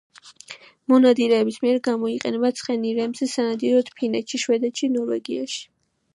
მონადირეების მიერ გამოიყენება ცხენირემზე სანადიროდ ფინეთში, შვედეთში და ნორვეგიაში.